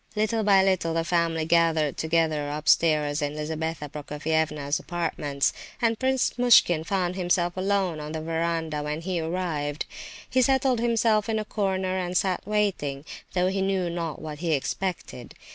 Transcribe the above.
Little by little the family gathered together upstairs in Lizabetha Prokofievna's apartments, and Prince Muishkin found himself alone on the verandah when he arrived. He settled himself in a corner and sat waiting, though he knew not what he expected.